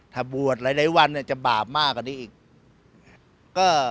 ถ้าบวชหลายวันจะบาปมากกว่านี้อีก